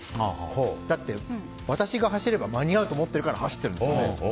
だって私が走れば間に合うと思ってるから走ってるんですよね。